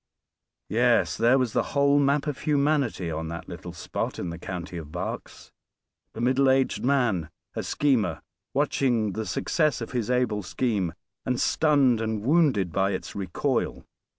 Yes, there was the whole map of humanity on that little spot in the county of Berks. The middle aged man, a schemer, watching the success of his able scheme, and stunned and wounded by its recoil.